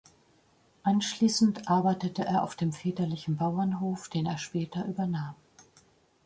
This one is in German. Anschließend arbeitete er auf dem väterlichen Bauernhof, den er später übernahm.